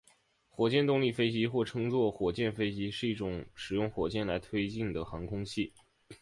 火箭动力飞机或称作火箭飞机是一种使用火箭来推进的航空器。